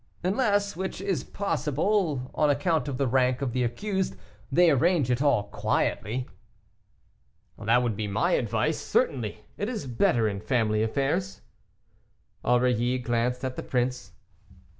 "Unless, which is possible, on account of the rank of the accused, they arrange it all quietly." "That would be my advice, certainly; it is better in family affairs." Aurilly glanced at the prince.